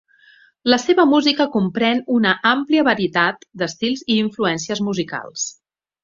La seva música comprèn una àmplia varietat d'estils i influències musicals.